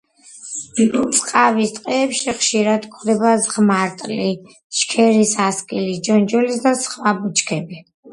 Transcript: წყავის ტყეებში ხშირად გვხდება ზღმარტლი ,შქერის, ასკილის ჯონჯოლისა და სხვა ბუჩქები.